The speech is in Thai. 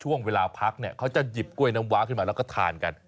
ช่วงเวลาพักเนี่ยเขาจะหยิบกล้วยน้ำว้าขึ้นมาแล้วก็ทานกัน